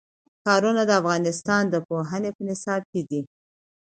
ښارونه د افغانستان د پوهنې په نصاب کې دي.